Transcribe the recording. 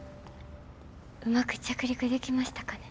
うまく着陸できましたかね？